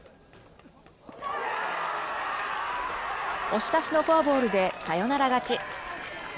押し出しのフォアボールでサヨナラ勝ち。